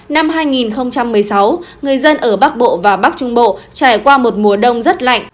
năm hai nghìn một mươi sáu người dân ở bắc bộ và bắc trung bộ trải qua một mùa đông rất lạnh